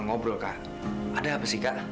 ngobrol kak ada apa sih kak